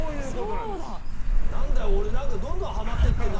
なんだよ俺どんどんハマってってるな！